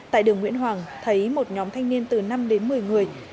tại đường nguyễn hoàng thấy một nhóm thanh niên từ năm đến một mươi người